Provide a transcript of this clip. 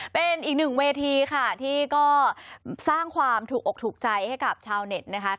เป็นอีกหนึ่งเวทีค่ะที่ก็สร้างความถูกอกถูกใจให้กับชาวเน็ตนะคะ